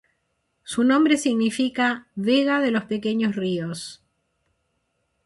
Su nombre significa "vega de los pequeños ríos".